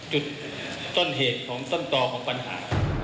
จุดต้นเหตุของต้นต่อของปัญหา